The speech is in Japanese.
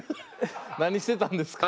何してたんですか？